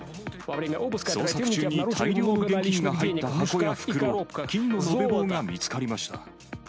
捜索中に大量の現金が入った箱や袋、金の延べ棒が見つかりました。